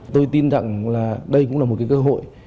tôi tin rằng đây cũng là một cơ hội